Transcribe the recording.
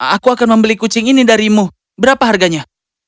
aku akan membeli kucing ini darimu berapa harganya